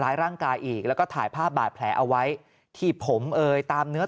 ร่างกายอีกแล้วก็ถ่ายภาพบาดแผลเอาไว้ที่ผมเอ่ยตามเนื้อ